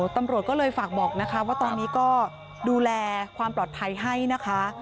ตำรวจก็เลยฝากบอกนะคะว่าตอนนี้ก็ดูแลความปลอดภัยให้นะคะ